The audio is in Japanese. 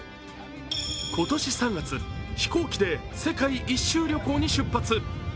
今年３月、飛行機で世界一周旅行に出発。